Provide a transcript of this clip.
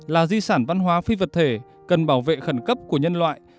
là di sản văn hóa phi vật thể cần bảo vệ khẩn cấp của nhân loại